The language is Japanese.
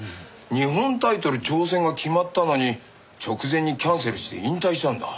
日本タイトル挑戦が決まったのに直前にキャンセルして引退したんだ。